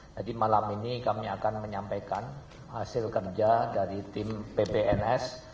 jadi malam ini kami akan menyampaikan hasil kerja dari tim ppns